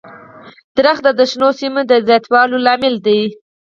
• ونه د شنو سیمو د زیاتوالي لامل دی.